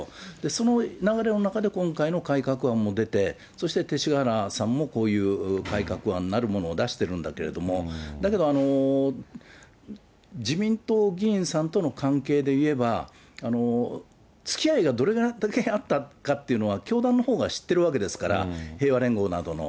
その流れの中で、今回の改革案も出て、そして勅使河原さんもこういう改革案なるものを出してるんだけれども、だけど、自民党議員さんとの関係でいえば、つきあいがどれだけあったかというのは、教団のほうが知っているわけですから、平和連合などの。